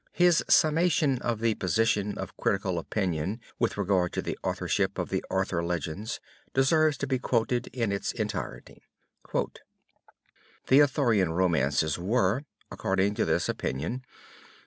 His summation of the position of critical opinion with regard to the authorship of the Arthur Legends deserves to be quoted in its entirety: "The Arthurian Romances were, according to this opinion.